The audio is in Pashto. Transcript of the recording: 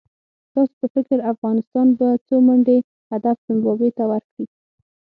ستاسو په فکر افغانستان به څو منډي هدف زیمبابوې ته ورکړي؟